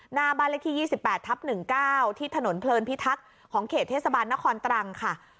หน้าบ้านเลขที่ยี่สิบแปดทับหนึ่งเก้าที่ถนนเพลินพิทักษ์ของเขตเทศบาลนครตรังค่ะ